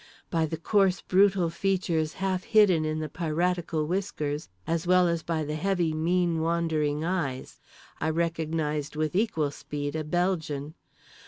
By the coarse brutal features half hidden in the piratical whiskers, as well as by the heavy mean wandering eyes, I recognised with equal speed a Belgian.